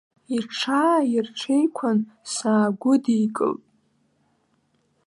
Иҽааирҽеиқәан, саагәыдикылт.